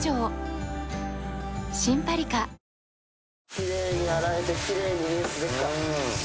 きれいに洗えて、きれいにリンスできた。